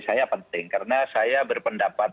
saya penting karena saya berpendapat